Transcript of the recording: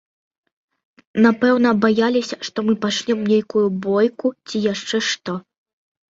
Напэўна, баяліся, што мы пачнём нейкую бойку ці яшчэ што.